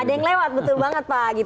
ada yang lewat betul banget pak